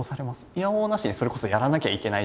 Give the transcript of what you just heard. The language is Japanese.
いやおうなしにそれこそやらなきゃいけない状況とか。